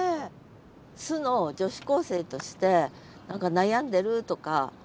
素の女子高生として何か悩んでるとか。